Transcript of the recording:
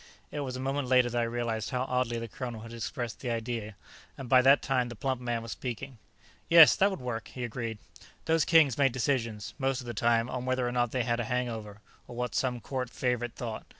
It was a moment later that I realized how oddly the colonel had expressed the idea, and by that time the plump man was speaking. "Yes, that would work," he agreed. "Those kings made decisions, most of the time, on whether or not they had a hangover, or what some court favorite thought."